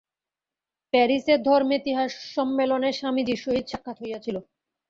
প্যারিসে ধর্মেতিহাস সম্মেলনে স্বামীজীর সহিত সাক্ষাৎ হইয়াছিল।